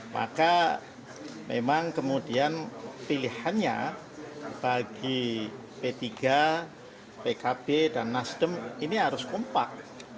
maka memang kemudian pilihannya bagi p tiga pkb dan nasdem ini harus kompak